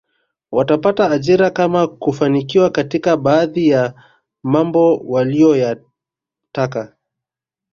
Watapata ajira ama kufanikiwa katika baadhi ya mambo waliyoyataka